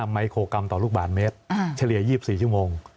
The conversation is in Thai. ไมโครกรัมต่อลูกบาทเมตรเฉลี่ย๒๔ชั่วโมง